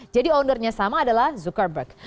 jadi ownernya sama adalah zuckerberg